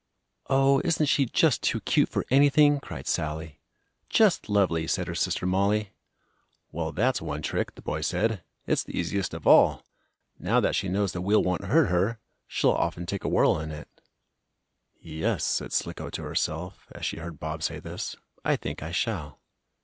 "Oh, isn't she just too cute for anything!" cried Sallie. "Just lovely," said her sister, Mollie. "Well, that's one trick," the boy said. "It's the easiest of all. Now that she knows the wheel won't hurt her, she'll often take a whirl in it." "Yes," said Slicko to herself, as she heard Bob say this, "I think I shall."